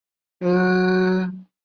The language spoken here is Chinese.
关于蛋白质的列表。